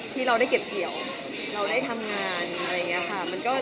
ที่เราได้เก็บเกี่ยวเราได้ทำงานอะไรอย่างนี้ค่ะ